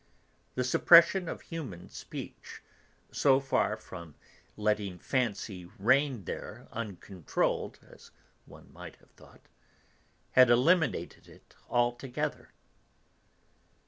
The suppression of human speech, so far from letting fancy reign there uncontrolled (as one might have thought), had eliminated it altogether.